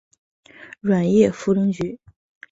软叶茯苓菊